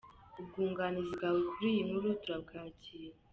Ubwunganizi bwawe kuri iyi nkuru turabwakira.